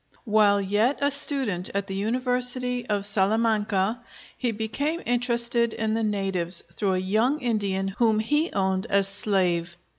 While yet a student at the University of Salamanca he became interested in the natives, through a young Indian whom he owned as slave.